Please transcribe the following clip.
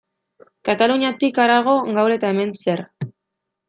Kataluniatik harago, gaur eta hemen, zer?